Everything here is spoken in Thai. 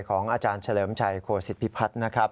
ของอาจารย์เฉลิมชัยโคศิษฐพิพัฒน์นะครับ